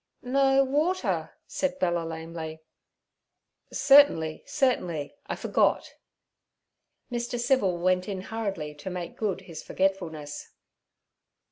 'No; water' said Bella lamely. 'Certainly, certainly; I forgot.' Mr. Civil went in hurriedly to make good his forgetfulness.